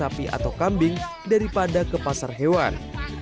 kami memilih untuk mencari sapi atau kambing daripada ke pasar hewan